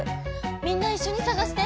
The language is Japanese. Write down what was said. みんないっしょにさがして！